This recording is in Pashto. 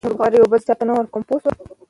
پخوا به ژباړونکو ترکيبونو ته پام نه کاوه.